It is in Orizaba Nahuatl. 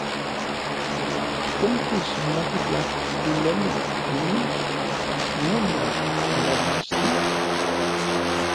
¿Ken kixmati tlajkuiloli n inin, nionmach omomachtij?